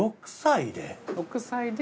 ６歳で？